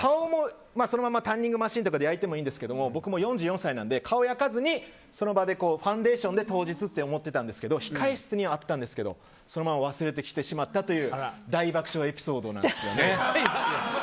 タンニングマシンとかで焼いてもいいんですが僕も４４歳なので顔を焼かずにその場でファンデーションで当日って思ってたんですけど控室にはあったんですけどそのまま忘れてしまったという大爆笑エピソードなんですよね。